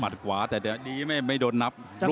นี่ไม่โดนนับ